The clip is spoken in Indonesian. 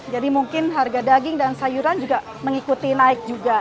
jadi mungkin harga daging dan sayuran juga mengikuti naik juga